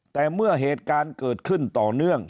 แต่เมื่อเหตุการณ์เกิดขึ้นต่อเนื่อง